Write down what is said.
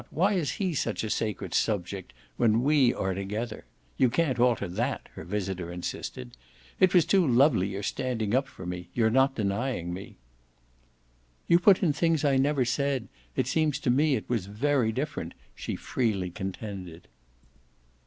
why is he such a sacred subject, when we ARE together? You can't alter that," her visitor insisted. "It was too lovely your standing up for me your not denying me!" "You put in things I never said. It seems to me it was very different," she freely contended.